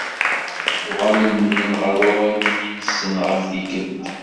Uɣalen medden ɣer wawal-nni-nsen ɣef tikelt.